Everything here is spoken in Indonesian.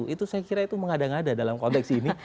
itu saya kira itu mengada ngada dalam konteks ini